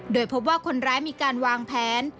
โดยพบว่าคนร้ายมีการวางแผน